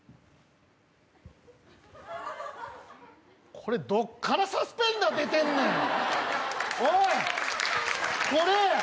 これ、どっからサスペンダー出てんねん、おい！